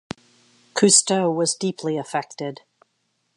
Cousteau was deeply affected.